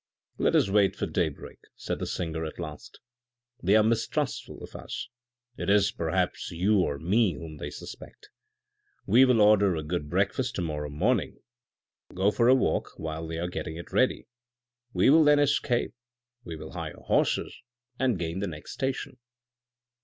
" Let us wait for daybreak," said the singer at last, " they are mistrustful of us. It is perhaps you or me whom they suspect. We will order a good breakfast to morrow morning, we will go for a walk while they are getting it ready, we will then escape, we will hire horses, and gain the next station."